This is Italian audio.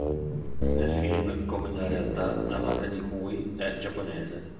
Nel film come nella realtà, la madre di Hui è giapponese.